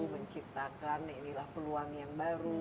menciptakan ini lah peluang yang baru